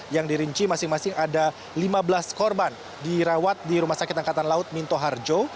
yang dirinci masing masing ada lima belas korban dirawat di rumah sakit angkatan laut minto harjo